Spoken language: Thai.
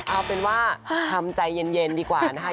เอาเป็นว่าทำใจเย็นดีกว่านะคะ